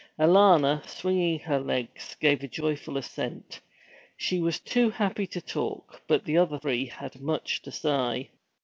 Alanna, swinging her legs, gave a joyful assent. She was too happy to talk, but the other three had much to say.